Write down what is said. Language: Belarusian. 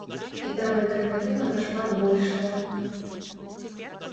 І там альтэрнатыва нашмат большая.